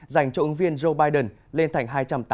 dành cho ứng viên joe biden lên thành hai trăm tám mươi